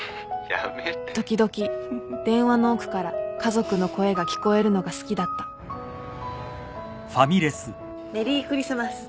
時々電話の奥から家族の声が聞こえるのが好きだったメリークリスマス。